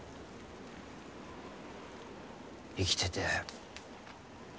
生きてて。